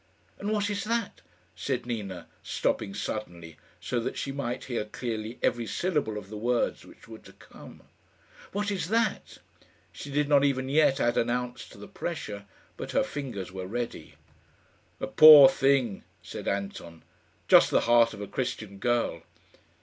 "And what is that?" said Nina, stopping suddenly, so that she might hear clearly every syllable of the words which were to come. "What is that?" She did not even yet add an ounce to the pressure; but her fingers were ready. "A poor thing," said Anton; "just the heart of a Christian girl."